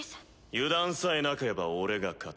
油断さえなければ俺が勝つ。